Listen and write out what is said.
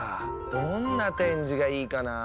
どんな展示がいいかな。